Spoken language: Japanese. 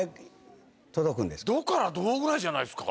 ドからドぐらいじゃないですか？